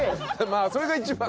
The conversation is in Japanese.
まあそれが一番。